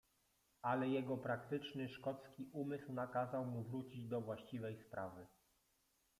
"Ale jego praktyczny, szkocki umysł nakazał mu wrócić do właściwej sprawy."